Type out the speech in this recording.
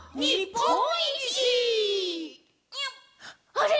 「あれ！